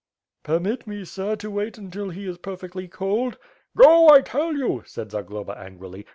"Permit me, sir, to wait until he is perfectly cold." "Go, I tell you!" said Zagloba, angrily.